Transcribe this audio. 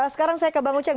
sekarang saya ke bang ujeng